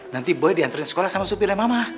nanti boy dihantarin sekolah sama supirnya mama